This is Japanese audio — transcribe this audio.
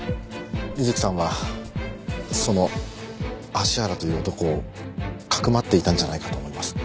美月さんはその芦原という男をかくまっていたんじゃないかと思います。